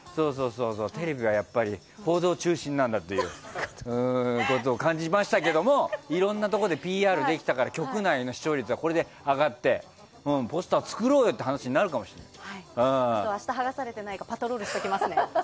テレビはやっぱり報道中心なんだっていうことを感じましたけどもいろんなところでＰＲできたから、局内の視聴者はこれで上がってポスター作ろうよって話になるかもしれない。